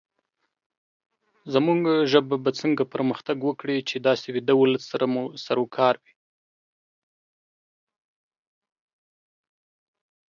زمونږ ژبه به څنګه پرمختګ وکړې، چې داسې ويده ولس سره مو سروکار وي